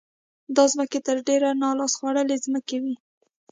دا ځمکې تر ډېره نا لاس خوړلې ځمکې وې.